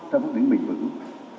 trong phát triển bình vững